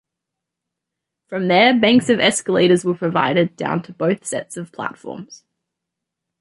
From there banks of escalators were provided down to both sets of platforms.